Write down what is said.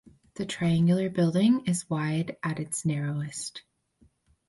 The triangular building is wide at its narrowest.